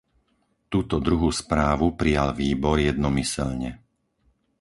Túto druhú správu prijal výbor jednomyseľne.